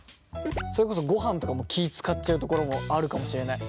それこそごはんとかも気遣っちゃうところもあるかもしれない。